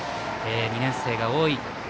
２年生が多い。